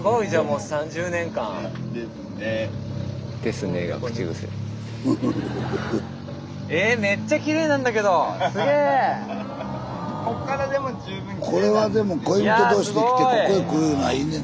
スタジオこれはでも恋人同士で来てここへ来るいうのはいいねんな。